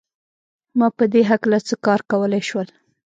ما په دې هکله څه کار کولای شول